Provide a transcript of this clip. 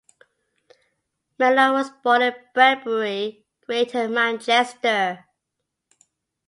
Mellor was born in Bredbury, Greater Manchester.